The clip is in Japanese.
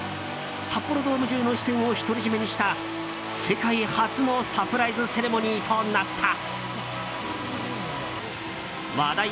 札幌ドーム中の視線を独り占めにした世界初のサプライズセレモニーとなった。